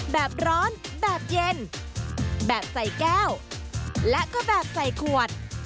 แบบร้อนแบบเย็นแบบใส่แก้วและก็แบบใส่ขวด